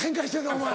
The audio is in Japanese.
お前。